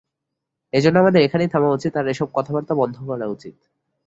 এজন্য আমাদের এখানেই থামা উচিৎ আর এসব কথাবার্তা বন্ধ করা উচিৎ।